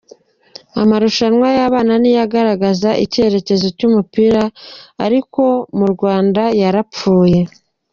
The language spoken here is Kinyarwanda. Amarushanwa y’abana niyo agaragaza icyerekezo cy’umupira ariko mu Rwanda yarapfuye .